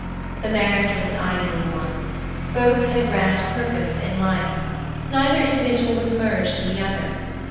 The marriage was an ideal one. Both had a grand purpose in life. Neither individual was merged in the other.